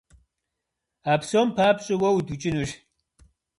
А псом папщӀэ уэ удукӀынущ!